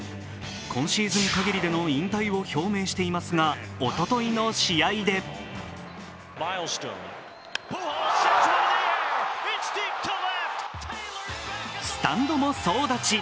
今シーズン限りでの引退を表明していますが、おとといの試合でスタンドも総立ち。